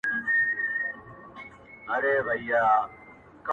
مطربه چي رباب درسره وینم نڅا راسي!!